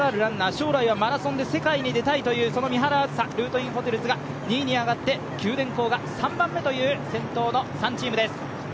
将来はマラソンで世界に出たいという三原梓、ルートインホテルズが２位に上がって九電工が３番目という先頭の３チームです。